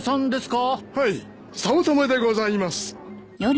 はい早乙女でございます。